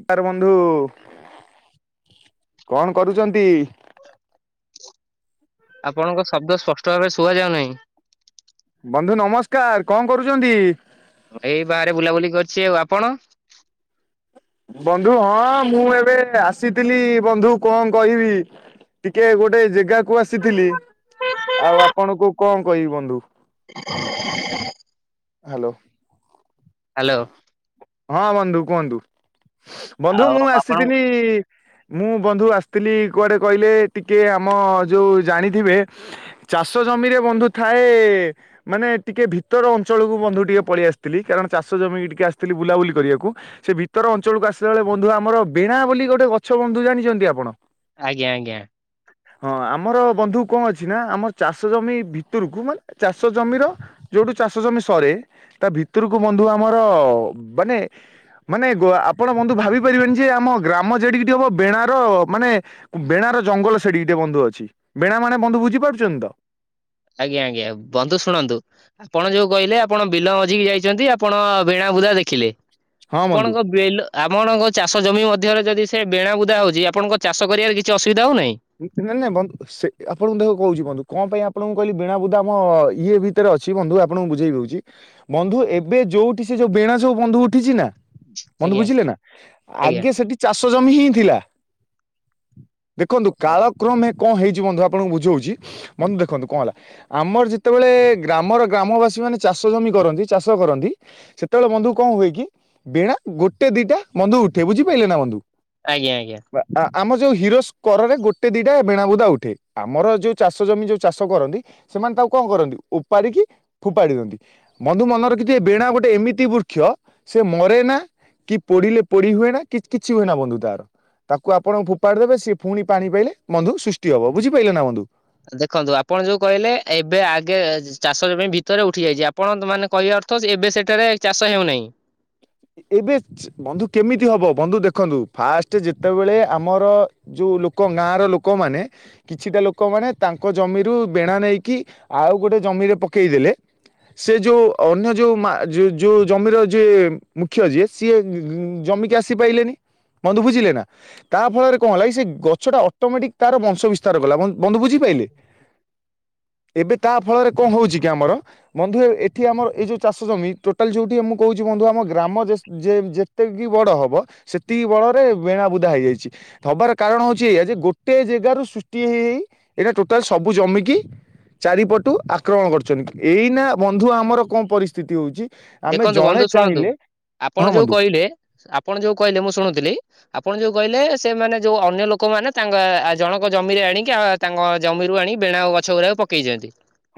ସ୍କାର ବନ୍ଧୁ କଣ କରୁଛନ୍ତି? ଆପଣଙ୍କ ଶବ୍ଦ ସ୍ପଷ୍ଟ ଭାବରେ ଶୁଆଯାଉ ନାହିଁ ବନ୍ଧୁ ନମସ୍କାର କଣ କରୁଛନ୍ତି? ହଁ ଏଇ ବାହାରେ ବୁଲାବୁଲି କରିଛି ଆଉ ଆପଣ? ବନ୍ଧୁ ହଁ ମୁଁ ଏବେ ଆସିଥିଲି ବନ୍ଧୁ କଣ କହିବି ଟିକେ ଗୋଟେ ଜାଗାକୁ ଆସିଥିଲି ଆଉ ଆପଣଙ୍କୁ କଣ କହିବି ବନ୍ଧୁ [inaudible] ହ୍ୟାଲୋ ହ୍ୟାଲୋ ହଁ ବନ୍ଧୁ କୁହନ୍ତୁ ବନ୍ଧୁ ଆଉ ମୁଁ ଆପଣ ଆସିଥିଲି ମୁଁ ବନ୍ଧୁ ଆସିଥିଲି କୁଆଡ଼େ କହିଲେ ଟିକିଏ ଆମ ଯେଉଁ ଜାଣିଥିବେ ଚାଷ ଜମିରେ ବନ୍ଧୁ ଥାଏ ମାନେ ଟିକେ ଭିତର ଅ ଅଞ୍ଚଳକୁ ବନ୍ଧୁ ଟିକେ ପଳେଇ ଆସିଥିଲି କାରଣ ଚାଷ ଜମିକି ଟିକିଏ ଆସିଥିଲ ବୁଲାବୁଲି କରିବାକୁ ସେ ଭିତର ଅଞ୍ଚଳକୁ ଆସିଲା ବେଳେ ବନ୍ଧୁ ଆମର ବେଣା ବୋଲି ଗୋଟେ ଗଛ ବନ୍ଧୁ ଜାଣିଛନ୍ତି ଆପଣ ଆଜ୍ଞା ଆଜ୍ଞା ହଁ ଆମର ବନ୍ଧୁ କଣ ଅଛି ନା ଆମ ଚାଷ ଜମି ଭିତରକୁ ମାନେ ଚାଷ ଜମିର ଯୋଉଠୁ ଚାଷ ଚା ଜମି ସରେ ତା ଭିତରକୁ ବନ୍ଧୁ ଆମର ମାନେ ମାନେ ଆପଣ ବନ୍ଧୁ ଭାବି ପାରିବେନି ଯେ ଆମ ଗ୍ରାମ ଯେଠିକି ହବ ବେଣାର ମାନେ ବେଣା ର ଜଙ୍ଗଲ ସେଠି ଗୋଟେ ବନ୍ଧୁ ଅଛି ବେଣା ମାନେ ବନ୍ଧୁ ବୁଝପାରୁଛନ୍ତି ତ ଆଜ୍ଞା ଆଜ୍ଞା ବନ୍ଧୁ ଶୁଣନ୍ତୁ ଆପଣ ଯୋଉ କହିଲେ ଆପଣ ବିଲ ମ ଅଜିକି ଯାଇଛନ୍ତି ଆପଣ ବେଣା ବୁଦା ଦେଖିଲେ [inaudible] ହଁ ବନ୍ଧୁ। ଆପଣଙ୍କ ବେଲ ଆପଣଙ୍କ ଚାଷ ଜମି ମଧ୍ୟରେ ଯଦି ସେ ବେଣାବୁଦା ହଉଛି ଆପଣଙ୍କ ଚାଷ କରିବାରେ କିଛି ଅସୁବିଧା ହଉନାହିଁ ନେନେ ବନ୍ଦୁ ସେ ଆପଣଙ୍କୁ ଦେଖକୁ କହୁଛି ବନ୍ଧୁ କଣ ପାଇଁ ଆପଣଙ୍କୁ କହିଲି ବେଣା ବୁଦା ଆମ ଇଏ ଭିତରେ ଅଛି ବନ୍ଧୁ ଆପଣଙ୍କୁ ବୁଝେଇ ଦଉଛି ବନ୍ଧୁ ଏବେ ଯୋଉଠି ସେ ଯୋଉ ବେଣା ସୋଉ ବନ୍ଧୁ ଉଠିଛି ନା ବନ୍ଧୁ ଆଜ୍ଞା ବୁଝିଲେ ନା ଆଜ୍ଞା ଆଗେ ସେଠି ଚାଷ ଜମି ହିଁ ଥିଲା [inaudible] ଦେଖନ୍ତୁ କାଳ କ୍ରମେ କଣ ହେଇଛି ବନ୍ଧୁ ଆପଣଙ୍କୁ ବୁଝଉଛି ବନ୍ଧୁ ଦେଖନ୍ତୁ କଣ ହେଲା ଆମର ଯେତେବେଳେ ଗ୍ରାମର ଗ୍ରାମବାସୀ ମାନେ ଚାଷ ଜମି କରନ୍ତି ଚାଷ କରନ୍ତି ସେତେବେଳେ ବନ୍ଧୁ କଣ ହୁଏ କି ବେଣା ଗୋଟେ ଦିଟା ବନ୍ଧୁ ଉଠେ ବୁଝିପାରିଲେ ନା ବନ୍ଧୁ ଆଜ୍ଞା ଆଜ୍ଞା। ଆମ ଯୋଉ ହିରୋସ୍କ କରରେ ଗୋଟ ଗୋଟେ ଦିଟା ବେଣାବୁଦା ଉଠେ ଆମର ଯୋଉ ଚାଷ ଜମି ଯୋଉ ଚାଷ କରନ୍ତି। ସେମାନେ ତାକୁ କଣ କରନ୍ତି ଓପାରିକି ଫୋପାଡି ଦିଅନ୍ତି। ବନ୍ଧୁ ମନେ ରଖିଥିବେ ବେଣା ଗୋଟେ ଏମିତି ବୃକ୍ଷ ସେ ମରେ ନା। କି ପୋଡ଼ିଲେ ପୋଡ଼ି ହୁଏନା କି କିଛି ହୁଏ ନା ବନ୍ଧୁ ତାର। ତାକୁ ଆପଣ ଫୋପାଡି ଦେବେ ସିଏ ପୁଣି ପାଣି ପାଇଲେ ବନ୍ଧୁ ସୃଷ୍ଟି ହବ ବୁଝିପାରିଲ ନାଁ ବନ୍ଧୁ। ଦେଖନ୍ତୁ ଆପଣ ଯୋଉ କହିଲେ ଏବେ ଆଗେ ଚାଷ ଜମି ଭିତରେ ଉଠି ଯାଇଛି ଆପଣ ମାନେ କହିବା ଅର୍ଥ। ଏବେ ସେଠାରେ ଚାଷ ହେଉନାହିଁ। ଏବେ ବନ୍ଧୁ କେମିତି ହବ ବନ୍ଧୁ ଦେଖନ୍ତୁ ଫାଷ୍ଟ ଯେତେବେଳେ ଆମର। ଯୋଉ ଲୋକ ଗାଁ ର ଲୋକମାନେ। କିଛିଟା ଲୋକମାନେ ତାଙ୍କ ଜମିରୁ ବେଣା ନେଇକି ଆଉ ଗୋଟେ ଜମିରେ ପକେଇଦେଲେ। ସେ ଯୋଉ ଅନ୍ୟ ଯୋଉ ମା ଯୋଉ ଯୋଉ ଜମିର ଯିଏ। ମୁଖ୍ୟ ଯିଏ ସିଏ ଜମିକି ଆସି ପାଇଲେନି ବନ୍ଧୁ ବୁଝିଲେ ନା? ତା ଫଳରେ କଣ ହେଲା କି ସେ ଗଛଟା ଅଟୋମେଟିକ୍ ତାର ବଂଶ ବିସ୍ତାର କଲା ବନ୍ଧୁ ବନ୍ଧୁ ବୁଝି ପାଇଲେ? ଏବେ ତା ଫଳରେ କଣ ହଉଛି କି ଆମର। ବନ୍ଧୁ ଏ ଏଠି ଆମର ଏଇ ଯୋଉ ଚାଷ ଜମି ଟୋଟାଲ ଯୋଉିଠୀ ମୁଁ କହୁଛି ବନ୍ଧୁ ଆମ। ଗ୍ରାମ ଯେ ଯେ ଯେତିକି ବଡ଼ ହବ ସେତିକି ବଳରେ ବେଣାବୁଦା ହେଇଯାଇଛି। ହବାର କାରଣ ହଉଛି ଏଇଆ ଯେ ଗୋଟେ ଜାଗାରୁ ସୃଷ୍ଟି ହେଇ ହେଇ ଏଇଟା ଟୋଟାଲ ସବୁ ଜମିକି। ଚାରିପଟୁ ଆକ୍ରମଣ କରଛନ୍ତି ଏଇନା ବନ୍ଧୁ ଆମର କଣ ପରିସ୍ଥିତି ହଉଛି। ଆମେ ଦେଖନ୍ତୁ ବନ୍ଧୁ ଜଣେ ଶୁଣନ୍ତୁ ଚାହିଁଲେ। ଆପଣ ହଁ ଯୋଉ ବନ୍ଧୁ କହିଲେ ଆପଣ ଯୋଉ କହିଲେ ମୁଁ ଶୁଣୁଥିଲି। ଆପଣ ଯୋଉ କହିଲେ ସେମାନେ ଯୋଉ ଅନ୍ୟ ଲୋକମାନେ ତାଙ୍କ ଜଣଙ୍କ ଜମିରେ ଆଣିକି ଆ ତାଙ୍କ ଜମିରୁ ଆଣି ବେଣା ଆଉ ଗଛଗୁରା ପକେଇଚନ୍ତି।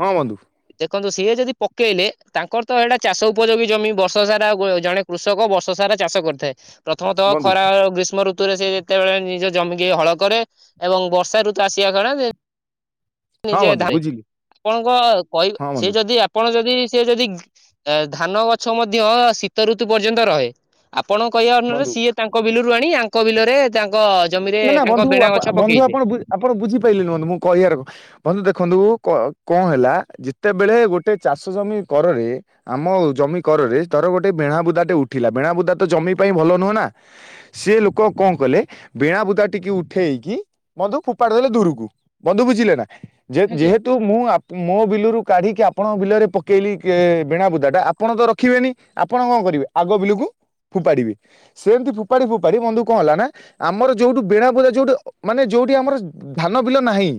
ହଁ ବନ୍ଧୁ। ଦେଖନ୍ତୁ ସିଏ ଯଦି ପକେଇଲେ ତାଙ୍କର ତ ଏଇଟା। ଚାଷ ଉପଯୋଗୀ ଜମି ବର୍ଷ ସାରା ଜଣେ କୃଷକ ବର୍ଷ ସାରା ଚାଷ କରିଥାଏ। ପ୍ରଥମତଃ ବନ୍ଧୁ ଖରା ଗ୍ରୀଷ୍ମ ଋତୁ। ଋତୁରେ ସେ ଯେତେବେଳେ ନିଜ ଜମିିକି ହଳ କରେ ଏବଂ ବର୍ଷା ଋତୁ ଆସିବା କାରଣ। ହଁ ନିଜେ ବନ୍ଧୁ ଧାନ ବୁଝିଲି ଆପଣଙ୍କ ହଁ କହିବା ସେ ବନ୍ଧୁ ଯଦି। ଆପଣ ଯଦି ସେ ଯଦି ଧାନ ଗଛ ମଧ୍ୟ ଶୀତ ଋତୁ ପର୍ଯ୍ୟନ୍ତ ରହେ। ଆପଣଙ୍କ କହିବା ଅନରେ ବନ୍ଧୁ ସିଏ ତାଙ୍କ ବିଲରୁ ଆଣି ଆଙ୍କ ବିଲରେ। ତାଙ୍କ ଜମିରେ ନା ନା ବନ୍ଧୁ ତାଙ୍କ ବେଣା ଗଛ ବନ୍ଧୁ ପକେଇଲେ। ଆପଣ ଆପଣ ବୁଝି ପାଇଲେନି ବନ୍ଧୁ ମୋ କହିଆ ବନ୍ଧୁ ଦେଖନ୍ତୁ କ କଣ ହେଲା ଯେତେବେଳେ ଗୋଟେ ଚାଷ ଜମି କରରେ। ଆମ ଜମି କରରେ ତର ଗୋଟେ ବେଣା ବୁଦା ଟେ ଉଠିଲା ବେଣାବୁଦା ତ ଜମି ପାଇଁ ଭଲ ନୁହଁ ନାଁ। ସିଏ ଲୋକ କଣ କଲେ। ବେଣା ବୁଦା ଟିକି ଉଠେଇକି ବନ୍ଧୁ ଫୋପାଡ଼ି ଦେଲେ ଦୂରକୁ ବନ୍ଧୁ ବୁଝିଲେ ନାଁ ଯେ ଆଜ୍ଞା ଯେହେତୁ। ତୁ ମୁଁ ମୋ ବିଲରୁ କାଢ଼ିକି ଆପଣଙ୍କ ବିଲରେ ପକେଇଲି ବେଣାବୁଦାଟା ଆପଣ ତ ରଖିବେନି। ଆପଣ କଣ କରିବେ ଆଗ ବିଲକୁ ଫୋପାଡିବେ ସେମତି ଫୋପାଡି ଫୋପାଡି ବନ୍ଧୁ କଣ ହେଲା ନା। ଆମର ଯୋଉଠୁ ବେଣା ବୁଦା ଯୋଉଠି ମାନେ ଯୋଉଠି ଆମର ଧାନ ବିଲ ନାହିଁ।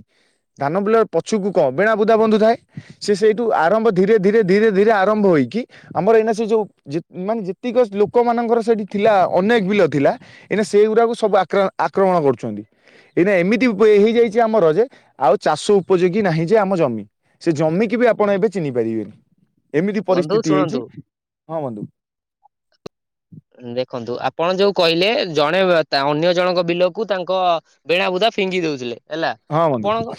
ଧାନ ବିଲ ପଛୁକୁ କଣ ବେଣା ବୁଦା ବନ୍ଧୁଥାଏ। ସେ ସେଇଠୁ ଆରମ୍ଭ ଧୀରେ ଧୀରେ ଧୀରେ ଧୀରେ ଆରମ୍ଭ ହୋଇକି। ଆମର ଏଇନା ସେ ଯୋଉ ମାନେ ଯେତିକି ଲୋକ ମାନଙ୍କର ସେଠି ଥିଲା ଅନେକ ବିଲ ଥିଲା। ଏଇନା ସେଇଗୁରାକୁ ସବୁ ଆକ୍ରା ଆକ୍ରମଣ କରୁଛନ୍ତି। ଏଇନା ଏମିତି ହେଇଯାଇଛି ଆମର ଯେ ଆଉ ଚାଷ ଉପଯୋଗୀ ନାହିଁ ଯେ ଆମ ଜମି। ସେ ଜମିକି ବି ଆପଣ ଏବେ ଚିହ୍ନି ପାରିବେନି ଏମିତି ବନ୍ଧୁ ପରିସ୍ଥିତି ହେଇଛି ଶୁଣନ୍ତୁ। ହଁ ବନ୍ଧୁ। ଦେଖନ୍ତୁ ଆପଣ ଯୋଉ କହିଲେ ଜଣେ ଅନ୍ୟ ଜଣଙ୍କ ବିଲକୁ ତାଙ୍କ ବେଣା ବୁଦା ଫିଙ୍ଗି ଦଉଥିଲେ। ହେଲା ହଁ ଆପଣଙ୍କ ବନ୍ଧୁ।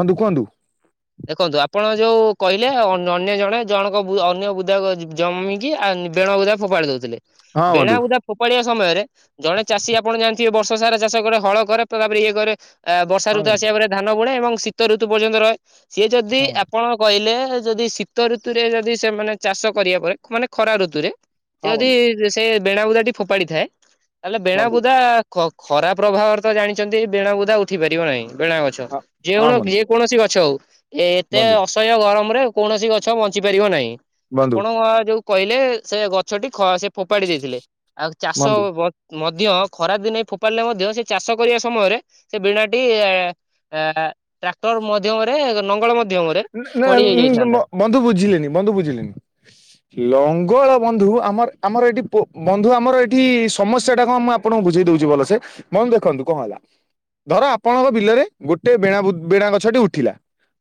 ବନ୍ଧୁ କୁହନ୍ତୁ? ଦେଖନ୍ତୁ ଆପଣ ଯୋଉ କହିଲେ ଅନ୍ୟ ଜଣେ ଜଣଙ୍କ ଅନ୍ୟ ବୁଦା ଜମିକି ଆ ବେଣ ବୁଦା ଫୋପାଡ଼ି ଦଉଥିଲେ ହଁ ବେଳା ବନ୍ଧୁ ବଦା ଫୋପାଡିିବା ସମୟରେ ଜଣେ ଚାଷୀ ଆପଣ ଜାଣିଥିବେ ବର୍ଷ ସାରା ଚାଷ କରେ ହଳ କରେ ତାପରେ ଇଏ କରେ। ଆ ବର୍ଷା ହଁ ଋତୁ ବନ୍ଧୁ ଆସିବା ପରେ ଧାନ ବୁଣେ ଏବଂ ଶୀତ ଋତୁ ପର୍ଯ୍ୟନ୍ତ ରହେ ସିଏ ଯଦି ହଁ ବନ୍ଧୁ ଆପଣ କହିଲେ ଯଦି ଶୀତ ଋତୁରେ ଯଦି ସେମାନେ ଚାଷ କରିବା ପରେ ମାନେ ଖରା ଋତୁରେ ସେ ହଁ ବନ୍ଧୁ ଯଦି ସେ ବେଣାବୁଦା ଟି ଫୋପାଡି ଥାଏ ତାହେଲେ ବନ୍ଧୁ ବେଣାବୁଦା ଖ ଖରାପ ପ୍ରଭାବରେ ତ ଜାଣିଛନ୍ତି ବେଣା ବୁଦା ଉଠି ପାରିବ ନାହିଁ ବେଣା ଗଛ ହଁ ଯେ ହଁ ଗୁଣ ବନ୍ଧୁ କି ଯେକୌଣସି ଗଛ ହଉ ଏ ଏତେ ବନ୍ଧୁ ଅସହ୍ୟ ଗରମରେ କୌଣସି ଗଛ ବଞ୍ଚି ପାରିବ ନାହିଁ। ବନ୍ଧୁ ଆପଣଙ୍କ ଯୋଉ କହିଲେ ସେ ଗଛଟି ସେ ଫୋପାଡି ଦେଇଥିଲେ ଆଉ ଚାଷ ବନ୍ଧୁ ମଧ୍ୟ ଖରା ଦିନ ହେ ଫୋଫାଡିଲେ ମଧ୍ୟ ସେ ଚାଷ କରିବା ସମୟରେ ସେ ବିଣାଟି ଏ ଟ୍ରାକ୍ଟର ମାଧ୍ୟରେ ନଙ୍ଗଳ ମଧ୍ୟ ନା ବନ୍ଧୁ ବୁଝିଲେନି ବନ୍ଧୁ ବୁଝିଲେନି। ଲଙ୍ଗଳ ବନ୍ଧୁ ଆମର ଆମର ଏଠି ବନ୍ଧୁ ଆମର ଏଠି ସମସ୍ତ ସେଇଟା କଣ ମୁଁ ଆପଣଙ୍କୁ ବୁଝେଇ ଦଉଛି ଭଲସେ ବନ୍ଧୁ ଦେଖନ୍ତୁ କଣ ହେଲା? ଧର ଆପଣଙ୍କ ବିଲରେ ଗୋଟେ ବେଣା ବେଣା ଗଛଟି ଉଠିଲା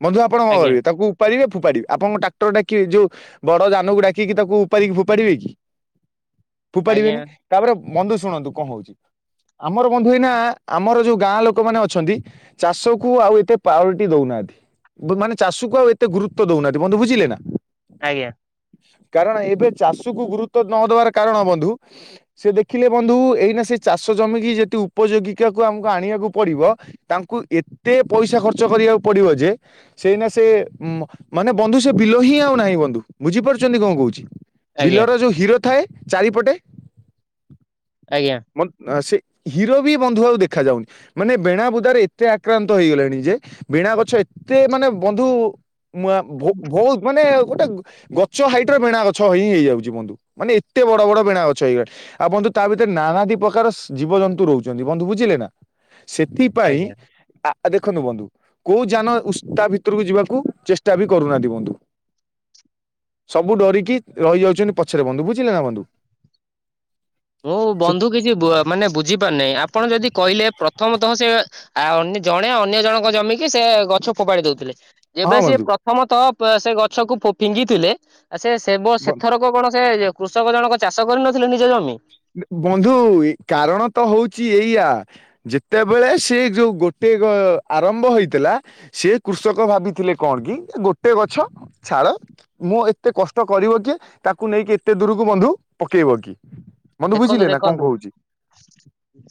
ବନ୍ଧୁ ଆପଣ କଣ ଆଜ୍ଞା କରିବେ ତାକୁ? ଉପାଡ଼ିବେ ଫୋଫାଡ଼ିବେ ଆପଣଙ୍କ ଟାକ୍ଟର ଡାକିବେ ଯଉ ବଡ ଯାନକୁ ଡାକିକି ତାକୁ ଉପାଡିକି ଫୋଫାଡିବେ କି? ଆଜ୍ଞା ଫୋଫାଡିବେନି ତାପରେ ବନ୍ଧୁ ଶୁଣନ୍ତୁ କଣ ହଉଛି? ଆମର ବନ୍ଧୁ ଏଇନା ଆମର ଯୋଉ ଗାଁ ଲୋକ ମାନେ ଅଛନ୍ତି। ଚାଷକୁ ଆଉ ଏତେ ପାୱଟି ଦଉନାହାନ୍ତି। ମାନେ ଚାଷକୁ ଆଉ ଏତେ ଗୁରୁତ୍ୱ ଦଉନାହାନ୍ତି ବନ୍ଧୁ ବୁଝିଲେ ନା। ଆଜ୍ଞା। କାରଣ ଏବେ ଚାଷକୁ ଗୁରୁତ୍ଵ ନ ଦବାର କାରଣ ବନ୍ଧୁ ସେ ଦେଖିଲେ ବନ୍ଧୁ ଏଇନା ସେ ଚାଷ ଜମିିକି ଯେତି ଉପଯୋଗୀକାକୁ ଆମକୁ ଆଣିବାକୁ ପଡିବ ତାଙ୍କୁ ଏତେ ପଇସା ଖର୍ଚ୍ଚ କରିବାକୁ ପଡିବ ଯେ ସେଇନା ସେ ମାନେ ବନ୍ଧୁ ସେ ବିଲ ହିଁ ଆଉ ନାହିଁ ବନ୍ଧୁ ବୁଝିପାରୁଛନ୍ତି କଣ କହୁଛି। ଆଜ୍ଞା ବିଲରେ ଯୋଉ ହିଡ଼ ଥାଏ ଚାରିପଟେ ଆଜ୍ଞା। ସେ ହିଡ଼ ବି ବନ୍ଧୁ ଆଉ ଦେଖାଯାଉନି। ମାନେ ବେଣା ବୁଦାରେ ଏତେ ଆକ୍ରାନ୍ତ ହେଇଗଲେଣି ଯେ ବେଣା ଗଛ ତେ ମାନେ ବନ୍ଧୁ ବହୁତ ମାନେ ଗୋଟେ ଗ ଉଚ୍ଚ ହାଇଟ ର ବେଣା ଗଛ ହିଁ ହେଇଯାଉଛି ବନ୍ଧୁ ମାନେ ଏତେ ବଡ ବେଣା ଗଛ ହେଇଗଲାଣି। ଆଉ ବନ୍ଧୁ ତା ଭିତରେ ନାନାଦି ପ୍ରକାର ଜୀବ ଜନ୍ତୁ ରହୁଛନ୍ତି ବନ୍ଧୁ ବୁଝିଲେ ନା। ସେଥିପାଇଁ ଆଜ୍ଞା। ଆ ଦେଖନ୍ତୁ ବନ୍ଧୁ କୋଉ ଯାନ ଓସ୍ତା ଭିତରକୁ ଯିବାକୁ ଚେଷ୍ଟା ବି କରୁନାହାନ୍ତି ବନ୍ଧୁ। ସବୁ ଡରିକି ରହିଯାଉଛନ୍ତି ପଛରେ ବନ୍ଧୁ ବୁଝିଲେ ନା ବନ୍ଧୁ। ମୁଁ ସେ ବନ୍ଧୁ କିଛି ମାନେ ବୁଝିପାରୁନାହିଁ ଆପଣ ଯଦି କହିଲେ ପ୍ରଥମତଃ ସେ ଆଉ ଅ ଜଣେ ଅନ୍ୟ ଜଣଙ୍କ ଜମିିକି ସେ ଗଛ ଫୋପାଡି ଦଉଥିଲେ। ହଁ ଏବେ ସେ ବନ୍ଧୁ ପ୍ରଥମତଃ ସେ ଗଛକୁ ଫିଙ୍ଗିଥିଲେ। ଆ ସେ ସେବ ସେଥରକ କଣ ସେ ଯେ କୃଷକ ଜଣକ ଚାଷ କରିନଥିଲେ ନିଜ ଜମି? ବନ୍ଧୁ କାରଣ ତ ହଉଛି ଏଇଆ। ଯେତେବେଳେ ସେ ଯୋଉ ଗୋଟେକ ଆରମ୍ଭ ହେଇଥିଲା ସେ କୃଷକ ଭାବିଥିଲେ କଣ କି ଏ ଗୋଟେ ଗଛ ଛାଳ ମୁଁ ଏତେ କଷ୍ଟ କରିବ କିଏ ତାକୁ ନେଇକି ଏତେ ଦୂରକୁ ବନ୍ଧୁ ପକେଇବ କି? ବନ୍ଧୁ ଦେଖନ୍ତୁ ବୁଝିଲେ ନା କଣ ଦେଖନ୍ତୁ କହୁଛି? [inaudible]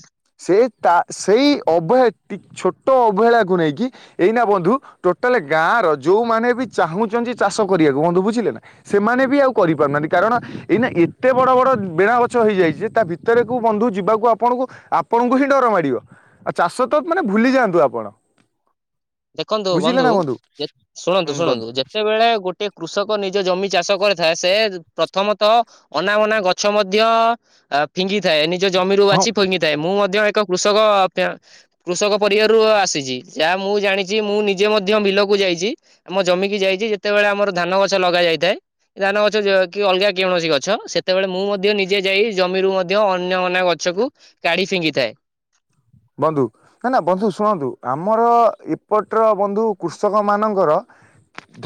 ସେ ତା ସେଇ ଅବହେ ଟି- ଛୋଟ ଅବହେଳାକୁ ନେଇକି। ଏଇନା ବନ୍ଧୁ ଟୋଟାଲ ଗାଁ ର ଯୋଉମାନେ ବି ଚାହୁଁଛନ୍ତି ଚାଷ କରିବାକୁ ବନ୍ଧୁ ବୁଝିଲେ ନା ସେମାନେ ବି ଆଉ କରିପାରୁନାହାନ୍ତି। କାରଣ ଏଇନା ଏତେ ବଡ ବଡ ବେଣା ଓ ଛ ହେଇଯାଇଛି ତା ଭିତରେ କୁ ବନ୍ଧୁ ଯିବାକୁ ଆପଣଙ୍କୁ ଆପଣଙ୍କୁ ହିଁ ଡର ମାଡିବ। ଆ ଚାଷ ତ ମାନେ ଭୁଲିଯାଆନ୍ତୁ ଆପଣ। ଦେଖନ୍ତୁ ବୁଝିଲେ ବନ୍ଧୁ ନା ଏ ଶୁଣନ୍ତୁ ହୁଁ ବନ୍ଧୁ ଶୁଣନ୍ତୁ ଯେତେବେଳେ ଗୋଟେ କୃଷକ ନିଜ ଜମି ଚାଷ କରିଥାଏ ସେ ପ୍ରଥମତଃ ଅନା ବନା ଗଛ ମଧ୍ୟ ଅ, ଫିଙ୍ଗିଥାଏ ନିଜ ଜମିରୁ ହଁ ବାଛି ଫିଙ୍ଗିଥାଏ। ମୁଁ ମଧ୍ୟ ଏକ କୃଷକ ତେଁ- କୃଷକ ପରିବାରରୁ ଆସିଛି। ଯାହା ମୁଁ ଜାଣି ଜି ମୁଁ ନିଜେ ମଧ୍ୟ ବିଲକୁ ଯାଇଛି, ଆମ ଜମିିକି ଯାଇଛି, ଯେତେବେଳେ ଆମର ଧାନ ଗଛ ଲଗା ଯାଇଥାଏ। ଧାନ ଗଛ ଯ-କି ଅଲଗା କେଉଣସି ଗଛ ସେତେବେଳେ ମୁଁ ମଧ୍ୟ ନିଜେ ଯାଇ ଜମିରୁ ମଧ୍ୟ ଅନ୍ୟ ଅନା ଗଛକୁ କାଢି ଫିଙ୍ଗି ଥାଏ। ବନ୍ଧୁ କାଇଁ ନା ବନ୍ଧୁ ଶୁଣନ୍ତୁ ଆମର ଏପଟ ର ବନ୍ଧୁ କୃଷକ ମାନଙ୍କର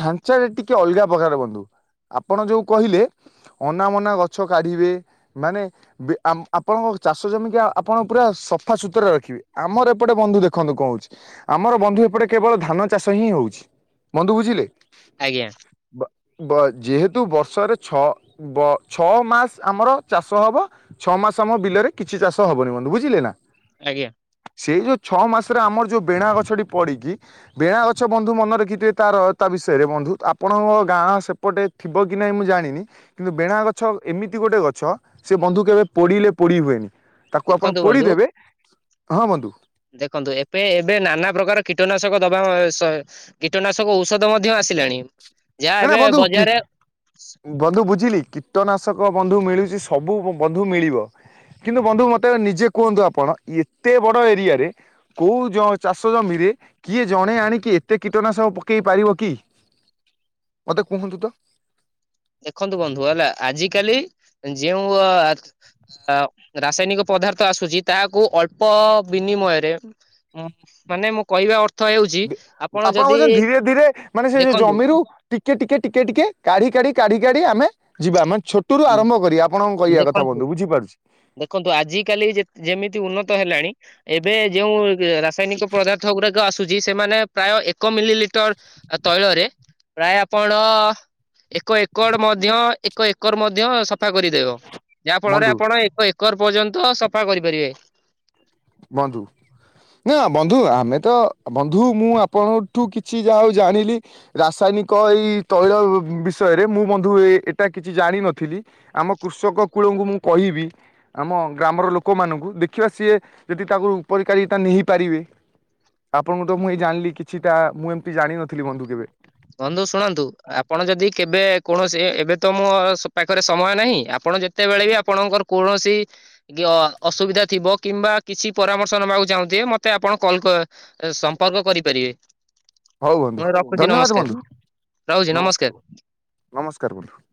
ଢାଞ୍ଚା ଟା ଟିକେ ଅଲଗା ପ୍ରକାର ବନ୍ଧୁ। ଆପଣ ଯୋଉ କହିଲେ ଅନା ମନା ଗଛ କାଢ଼ିବେ। ମାନେ ବେ-ଆମ୍ ଆପଣଙ୍କ ଚାଷ ଜମିିକି ଆ, ଆପଣ ପୁରା ସଫାସତୁରା ର ଖିବେ, ଆମର ଏପଟେ ବନ୍ଧୁ ଦେଖନ୍ତୁ କଣ ହଉଛି ଆମର ବନ୍ଧୁ ଏପଟେ କେବଳ ଧାନ ଚାଷ ହିଁ ହଉଛି। ବନ୍ଧୁ ବୁଝିଲେ? ଆଜ୍ଞା। ବ-ବ-ଯେହେତୁ ବର୍ଷରେ ଛଅ ବ-ଛଅ ମାସ ଆମର ଚାଷ ହବ। ଛଅ ମାସ ଆମ ବିଲରେ କିଛି ଚାଷ ହବନି ବନ୍ଧୁ ବୁଝିଲେ ନା। ଆଜ୍ଞା। ସେଇ ଯୋଉ ଛଅ ମାସରେ ଆମର ଯୋଉ ବେଣା ଗଛଟି ପଡିକି ବେଣା ଗଛ ବନ୍ଧୁ ମନେ ରଖିଥିବେ ତାର ତା ବିଷୟରେ ବନ୍ଧୁ ଆପଣଙ୍କ ଗାଁ ସେ ପଟେ ଥିବ କି ନାହିଁ ମୁଁ ଜାଣିନି। କିନ୍ତୁ ବେଣା ଗଛ ଏମିତି ଗୋଟେ ଗଛ ସେ ବନ୍ଧୁ କେବେ ପୋଡ଼ିଲେ ପୋଡ଼ି ହୁଏନି। ତାକୁ ଆପଣ ଦେଖନ୍ତୁ ବନ୍ଧୁ ପୋଡିଦେବେ ହଁ ବନ୍ଧୁ ଦେଖନ୍ତୁ ଏବେ ଏବେ ନାନା ପ୍ରକାର କୀଟନାଶକ ଦବା ସ କୀଟନାଶକ ଔଷଧ ମଧ୍ୟ ଆସିଲାଣି। ଯାହା ନା ନା ଏବେ ବନ୍ଧୁ କି ବଜାରରେ ବନ୍ଧୁ ବୁଝିଲି କୀଟନାଶକ ବନ୍ଧୁ ମିଳୁଛି ସବୁ ବନ୍ଧୁ ମିଳିବ। କିନ୍ତୁ ବନ୍ଧୁ ମୋତେ ନିଜେ କୁହନ୍ତୁ ଆପଣ ଏତେ ବଡ ଏରିଆରେ କୋଉ ଜ-ଚାଷ ଜମିରେ କିଏ ଜଣେ ଆଣିକି ଏତେ କୀଟନାଶକ ପକେଇ ପାରିବ କି? ମୋତେ କୁହନ୍ତୁ ତ? ଦେଖନ୍ତୁ ବନ୍ଧୁ ହେଲା ଆଜିିକାଲି ଯେଉଁ ଅ, ଆ ଅ, ରାସାୟନିକ ପଦାର୍ଥ ଆସୁଛି ତାହାକୁ ଅଳ୍ପ ବିନିମୟରେ [inaudible] ମାନେ, ମୁଁ କହିବା ଅର୍ଥ ହେଉଛି ଆପଣ ଯଦି କହୁଛନ୍ତି ଧୀରେ ଧୀରେ ମାନେ, ସେ ଯୋଉ ଦେଖନ୍ତୁ ଜମିରୁ ଟିକେ ଟିକେ ଟିକେ ଟିକେ କାଢି କାଢି କାଢି କାଢି ଆମେ ଯିବା, ମାନେ ଛୋ ଟରୁ ଆରମ୍ଭ କରି ଆପଣ କହିବା କଥା ଦେଖନ୍ତୁ ବନ୍ଧୁ ବୁଝିପାରୁଛି। ଦେଖନ୍ତୁ, ଆଜ କାଲି ଯେମିତି ଉନ୍ନତ ହେଲାଣି ଏବେ ଯୋଉ ରାସାୟନିକ ପଦାର୍ଥ ଗୁଡାକ ଆସୁଛି, ସେମାନେ ପ୍ରାୟ ଏକ ମିଲିଲି ଟର ତୈଳରେ ପ୍ରାୟ ଆପଣ ଏକ ଏକର ମଧ୍ୟ ଏକ ଏକର ଏକର ମଧ୍ୟ ସଫା କରିଦେବ, ଯାହା ଫଳରେ ବନ୍ଧୁ ଆପଣ ଏକ ଏକର ପର୍ଯ୍ୟନ୍ତ ସଫା କରିପାରିବେ। ବନ୍ଧୁ ନା ବନ୍ଧୁ, ଆମେ ତ ବନ୍ଧୁ ମୁଁ ଆପଣଙ୍କଠୁ କିଛି ଯାହା ହଉ ଜାଣିଲି। ରାସାୟନିକ ଏଇ ତୈଳ ବିଷୟରେ ମୁଁ ବନ୍ଧୁ ଏଇଟା କିଛି ଜାଣିନଥିଲି। ଆମ କୃଷକ କୂଳଙ୍କୁ ମୁଁ କହିବି, ଆମ ଗ୍ରାମର ଲୋକମାନଙ୍କୁ ଦେଖିବା ସିଏ ଯଦି ତାକୁ ଉପରିକାରିତା ନେହିପାରିବେ। ଆପଣଙ୍କଠୁ ମୁଁ ଏଇ ଜାଣିଲି। କିଛିଟା ମୁଁ ଏମିତି ଜାଣିନଥିଲି, ବନ୍ଧୁ, କେବେ। ବନ୍ଧୁ, ଶୁଣନ୍ତୁ। ଆପଣ ଯଦି କେବେ କୌଣସି ଏବେ ତ ମୋ ପାଖରେ ସମୟ ନାହିଁ। ଆପଣ ଯେ ତେବେଳେ ବି ଆପଣଙ୍କର କୌଣସି କି ଅସୁବିଧା ଥିବ କିମ୍ବା କିଛି ପରାମର୍ଶ ନବାକୁ ଚାହୁଁଥିବେ, ମତେ ଆପଣ କଲ୍ ସମ୍ପର୍କ କରିପାରିବେ। ହଉ ବନ୍ଧୁ, ମୁଁ ରଖୁଛି ଧନ୍ୟବାଦ ନମସ୍କାର ବନ୍ଧୁ। ନମସ୍କାର, ନମସ୍କାର ବନ୍ଧୁ।